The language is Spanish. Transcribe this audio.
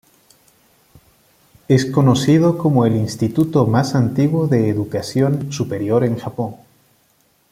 Es conocido como el instituto más antiguo de educación superior en Japón.